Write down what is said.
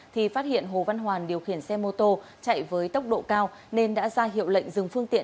thì phát hiện hồ văn hoàn điều khiển xe mô tô chạy với tốc độ cao nên đã ra hiệu lệnh dừng phương tiện